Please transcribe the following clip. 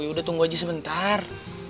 udah tunggu aja sebentar